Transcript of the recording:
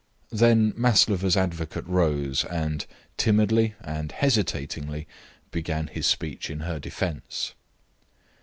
Then Maslova's advocate rose, and timidly and hesitatingly began his speech in her defence.